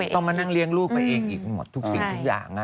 ต้องมานั่งเลี้ยงลูกไปเองอีกหมดทุกสิ่งทุกอย่าง